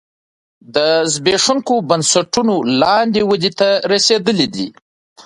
د زبېښونکو بنسټونو لاندې ودې ته رسېدلی دی